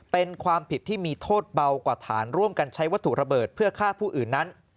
เป็นความผิดที่มีโทษเบากว่าฐานร่วมกันใช้วัตถุระเบิดเพื่อฆ่าผู้อื่นนั้น